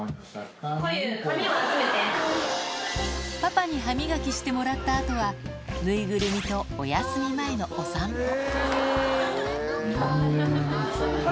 パパに歯磨きしてもらったあとは、縫いぐるみとお休み前のお散歩。